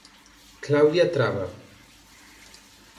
Claudia Traba.